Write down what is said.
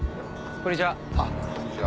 こんにちは。